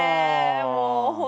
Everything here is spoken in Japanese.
もう本当に。